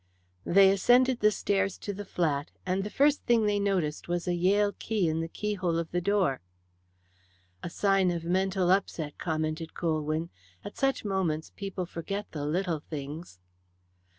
They ascended the stairs to the flat, and the first thing they noticed was a Yale key in the keyhole of the door. "A sign of mental upset," commented Colwyn. "At such moments people forget the little things."